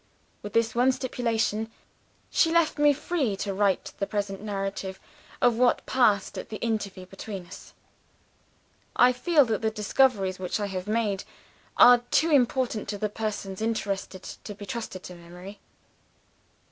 '" With this one stipulation, she left me free to write the present narrative of what passed at the interview between us. I feel that the discoveries which I have made are too important to the persons interested to be trusted to memory.